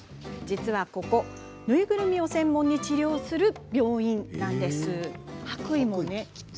実はここ、ぬいぐるみを専門に治療する病院なんです。